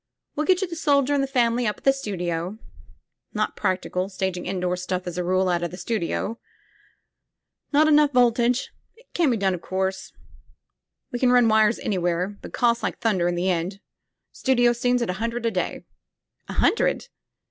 We'll get you the sol dier and family up at the studio. Not practical, staging indoor stuff as a rule, outa the studio. Not enough voltage. Can be done, of course — ^we can run wires anywhere — ^but costs like thunder in the end. Studio scenes at a hundred a day " "A hundred!"